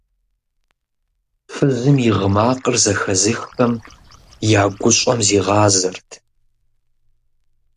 Фызым и гъы макъыр зэхэзыххэм я гущӀэм зигъазэрт.